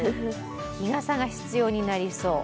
日傘が必要になりそう。